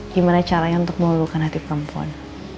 gimana caranya untuk mengeluhkan hati perempuan